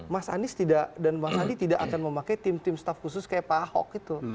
mas anies dan bang sandi tidak akan memakai tim tim staff khusus kayak pak ahok gitu